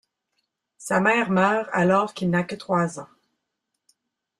Sa mère meurt alors qu’il n’a que trois ans.